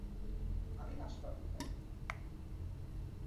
আমি নাশপাতি খাই।